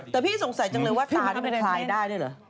แต่พี่สงสัยจังเลยว่าตาได้ไหม